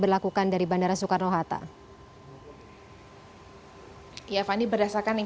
harusnya standby di bandara sekitar tiga hingga empat jam sebelum penerbangan